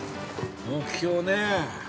◆目標ね。